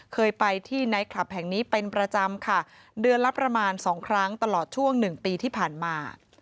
เคยไปที่ไนท์คลับแห่งนี้เป็นประจำค่ะเดือนละประมาณสองครั้งตลอดช่วงหนึ่งปีที่ผ่านมา